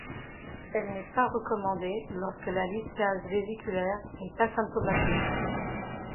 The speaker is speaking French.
Elle n'est pas recommandée lorsque la lithiase vésiculaire est asymptomatique.